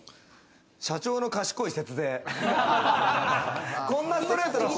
『社長の賢い節税』。